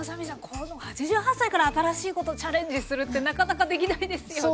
この８８歳から新しいことチャレンジするってなかなかできないですよね。